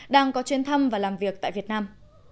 đang có chuyến thăm và làm việc tại việt nam